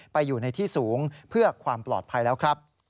ไปอยู่ในที่สูงเพื่อความปลอดภัยแล้วครับ